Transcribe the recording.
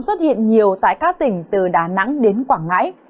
xuất hiện nhiều tại các tỉnh từ đà nẵng đến quảng ngãi